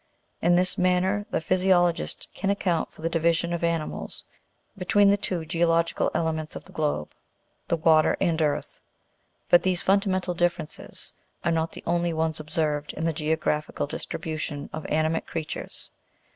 In this manner the physiologist can account for the division of animals between the two geological elements of the globe, water OF ANIMALS. 103 and earth; but these fundamental differences are not the only, ones observed in the geographical distribution oT animate crea tures.